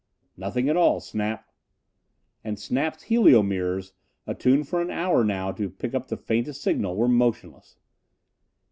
"Nothing at all, Snap." And Snap's helio mirrors, attuned for an hour now to pick up the faintest signal, were motionless.